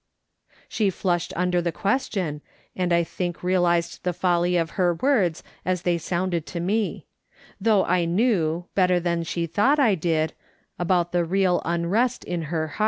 She flushed under the question, and I think realised the folly of her words as they sounded to me ; though I knew, better than she thought I did, about the real unrest of her heart.